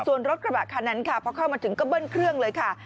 ส่วนรถกระบะคันนั้นค่ะพอเข้ามาถึงก็เบิ้ลเครื่องเลยค่ะ